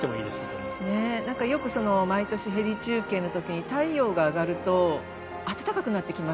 毎年、ヘリ中継の時に太陽が上がると暖かくなってきます